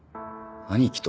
兄貴と？